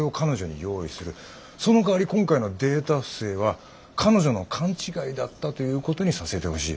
そのかわり今回のデータ不正は彼女の勘違いだったということにさせてほしい。